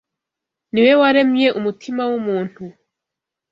Ni We waremye umutima w’umuntu